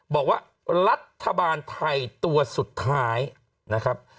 บอกว่ารัฐบาลไทยตัวสุดท้ายนะครับ